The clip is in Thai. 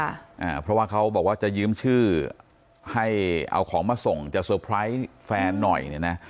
อ่าเพราะว่าเขาบอกว่าจะยืมชื่อให้เอาของมาส่งจะเตอร์ไพรส์แฟนหน่อยเนี่ยนะ